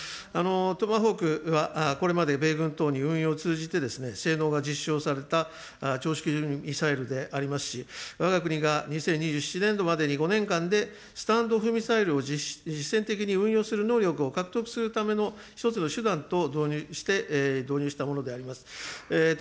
トマホークはこれまで米軍等に運用を通じて性能が実証された、ちょう式ミサイルでありますし、わが国が２０２７年度までに５年間でスタンド・オフ・ミサイルを実戦的に運用する能力を獲得するための一つの手段として導入したものであります。